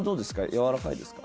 やわらかいですか？